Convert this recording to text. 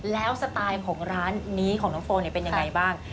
แล้วสไตล์ของร้านนี้ของน้องโฟนเป็นยังไงบ้าง